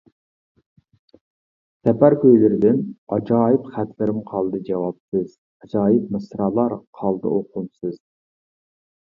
( «سەپەر كۈيلىرى» دىن) ئاجايىپ خەتلىرىم قالدى جاۋابسىز، ئاجايىپ مىسرالار قالدى ئوقۇمسىز.